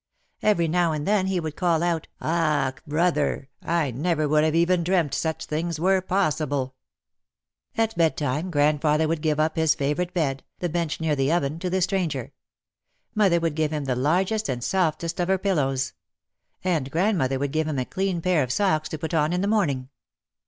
Every now and then he would call out, "Ach, brother, I never would have even dreamt such things were possible !" At bedtime grandfather would give up his favourite bed, the bench near the oven, to the stranger. Mother would give him the largest and softest of her pillows. And grandmother would give him a clean pair of socks to put on in the morning.